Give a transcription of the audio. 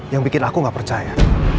yang bikin aku gak percaya